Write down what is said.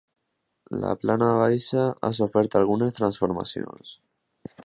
La planta baixa ha sofert algunes transformacions.